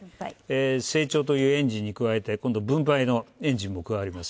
成長というエンジンに加えて、分配というエンジンも加わります。